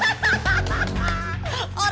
eh pak don